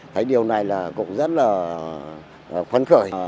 thấy điều này là cũng rất là phấn khởi